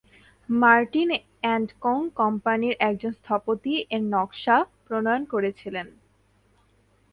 Martin and co কোম্পানির একজন স্থপতি এর নকশা প্রণয়ন করেছিলেন।